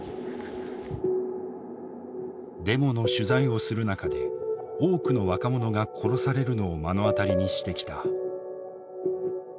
デモの取材をする中で多くの若者が殺されるのを目の当たりにしてきた。